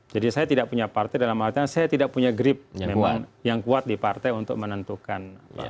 jadi saya tidak punya partai dalam hal itu saya tidak punya grip yang kuat di partai untuk menentukan